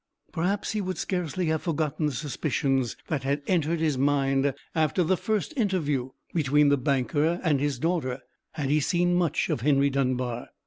Perhaps he would scarcely have forgotten the suspicions that had entered his mind after the first interview between the banker and his daughter, had he seen much of Henry Dunbar.